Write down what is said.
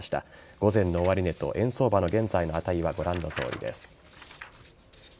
午前の終値と円相場の現在の値はご覧のとおりです。